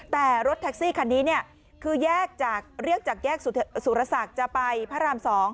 แต่รถแท็กซี่คันนี้คือแยกจากเรียกจากแยกสุรศักดิ์จะไปพระราม๒